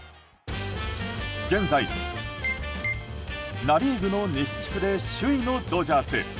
現在、ナ・リーグの西地区で首位のドジャース。